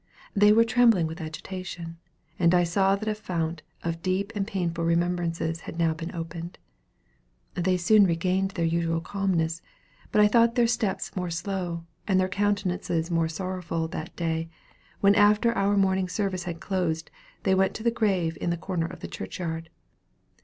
They were trembling with agitation, and I saw that a fount of deep and painful remembrances had now been opened. They soon regained their usual calmness, but I thought their steps more slow, and their countenances more sorrowful that day, when after our morning service had closed, they went to the grave in the corner of the churchyard.